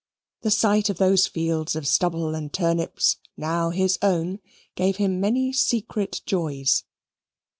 The sight of those fields of stubble and turnips, now his own, gave him many secret joys.